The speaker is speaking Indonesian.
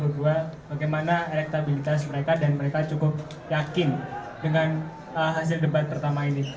bagaimana elektabilitas mereka dan mereka cukup yakin dengan hasil debat pertama ini